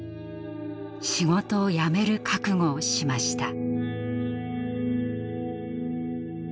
仕事を辞める覚悟をしました。